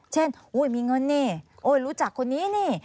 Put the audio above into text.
เช่นโว้ยมีเงินเนี่ยโอ้ยรู้จักคนนี้เนี่ย